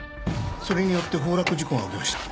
それによって崩落事故が起きました。